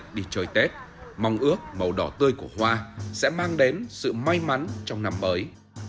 tết đi chơi tết mong ước màu đỏ tươi của hoa sẽ mang đến sự may mắn trong năm mới